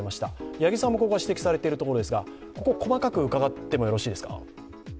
八木さんも指摘されているところですがここを細かく伺ってもいいですか？